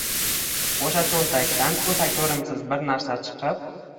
o‘sha cho‘ntakdan o‘ta ko‘rimsiz bir narsa chiqib